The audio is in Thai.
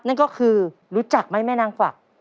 นั่นก็คือรู้จักไหมแม่นางกวัก